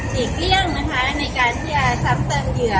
เหลียงนะคะในการจะจำเติมเหยื่อ